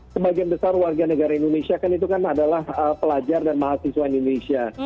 sebagian besar warga negara indonesia kan itu kan adalah pelajar dan mahasiswa indonesia